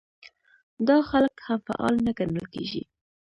دا خلک هم فعال نه ګڼل کېږي.